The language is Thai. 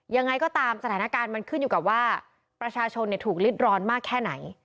ยังไงก็ตามสถานการณ์มันขึ้นอยู่กับว่าประชาชนถูกลิดร้อนมากแค่ไหน